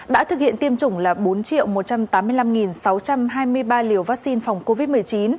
đã thực hiện tiêm chủng là bốn một trăm tám mươi năm sáu trăm hai mươi ba liều vaccine phòng covid một mươi chín